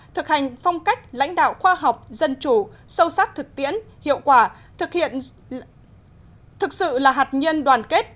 thực hành phong cách lãnh đạo khoa học dân chủ sâu sát thực tiễn hiệu quả thực hiện thực sự là hạt nhân đoàn kết